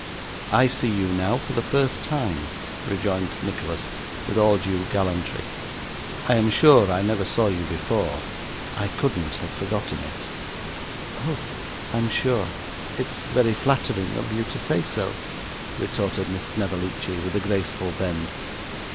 'I see you now for the first time,' rejoined Nicholas with all due gallantry. 'I am sure I never saw you before; I couldn't have forgotten it.' 'Oh, I'm sure it's very flattering of you to say so,' retorted Miss Snevellicci with a graceful bend.